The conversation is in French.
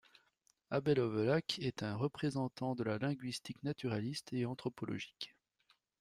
Abel Hovelacque est un représentant de la linguistique naturaliste et anthropologique.